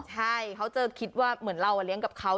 ใช่เขาจะคิดว่าเหมือนเราเลี้ยงกับเขา